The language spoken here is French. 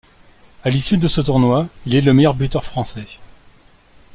À l'issue de ce tournoi, il est le meilleur buteur français.